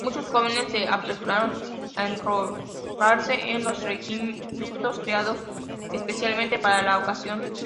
Muchos jóvenes se apresuraron a enrolarse en los regimientos creados especialmente para la ocasión.